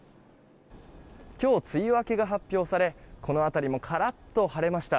今日梅雨明けが発表されこの辺りもカラッと晴れました。